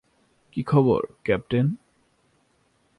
কী খবর, ক্যাপ্টেন?